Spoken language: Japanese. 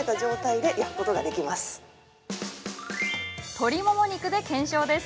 鶏もも肉で検証です。